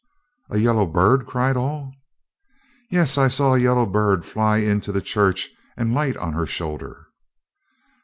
"A yellow bird?" cried all. "Yes; I saw a yellow bird fly into the church and light on her shoulder."